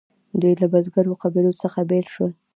دوی له بزګرو قبیلو څخه بیل شول.